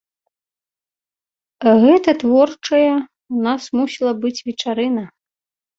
Гэта творчая ў нас мусіла быць вечарына.